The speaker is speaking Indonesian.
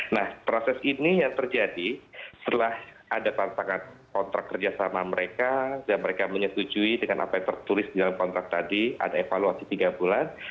nah proses ini yang terjadi setelah ada tantangan kontrak kerjasama mereka dan mereka menyetujui dengan apa yang tertulis di dalam kontrak tadi ada evaluasi tiga bulan